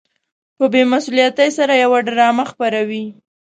په بې مسؤليتۍ سره يوه ډرامه خپروي.